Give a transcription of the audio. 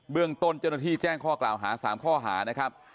เรื่องต้นเจ้าหน้าที่แจ้งข้อกล่าวหา๓ข้อหานะครับ